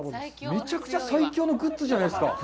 めちゃくちゃ最強のグッズじゃないですか。